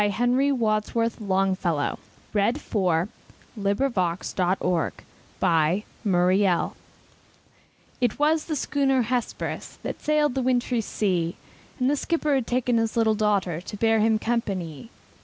Henry Wadsworth Longfellow The Wreck of the Hesperus IT was the schooner Hesperus That sailed the wintry sea: And the skipper had taken his little daughter, To bear him company.